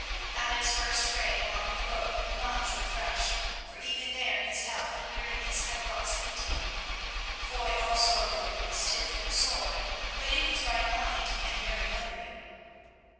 At its first ray Martin awoke much refreshed, for even there his health and weariness had brought sleep to him. Foy also awoke, stiff and sore, but in his right mind and very hungry.